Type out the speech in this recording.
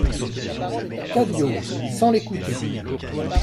CADIO, sans l'écouter.